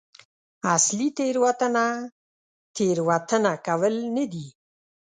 اصلي تېروتنه تېروتنه کول نه دي.